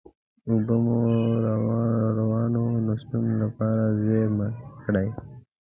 اوبه مو راروانو نسلونو دپاره زېرمه کړئ.